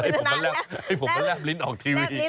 ไอ้ป๋าอะไรให้ผมมาแร่บลิ้นออกทีวี